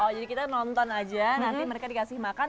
oh jadi kita nonton aja nanti mereka dikasih makan